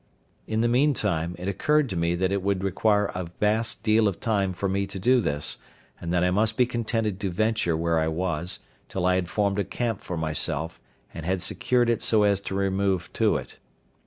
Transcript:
In the meantime, it occurred to me that it would require a vast deal of time for me to do this, and that I must be contented to venture where I was, till I had formed a camp for myself, and had secured it so as to remove to it.